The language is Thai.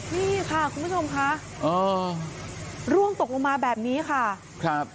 นี่ค่ะคุณผู้ชมค่ะอ๋อร่วงตกลงมาแบบนี้ค่ะครับ